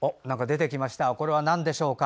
これはなんでしょうか。